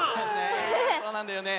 そうなんだよね。